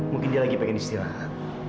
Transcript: mungkin dia lagi pengen istirahat